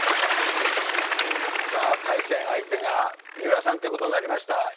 さあ対戦相手が三浦さんという事になりました。